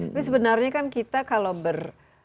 tapi sebenarnya kan kita kalau ber